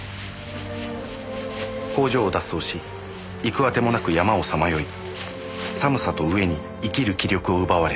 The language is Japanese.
工場を脱走し行くあてもなく山をさまよい寒さと飢えに生きる気力を奪われ